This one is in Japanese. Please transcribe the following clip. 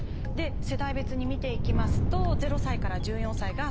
世代別に見ていきますと０歳から１４歳が３８％。